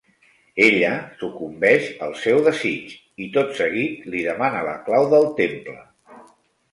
Ella sucumbeix al seu desig i, tot seguit, li demana la clau del temple.